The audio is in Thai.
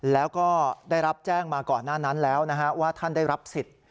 แล้วก็ได้รับแจ้งมาก่อนหน้านั้นแล้วนะฮะว่าท่านได้รับสิทธิ์